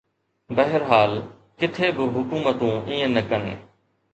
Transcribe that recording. بهرحال، ڪٿي به حڪومتون ائين نه ڪن